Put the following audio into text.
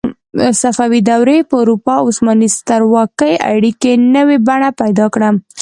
صفوي دورې په اروپا او عثماني سترواکۍ اړیکې نوې بڼه پیدا کړه.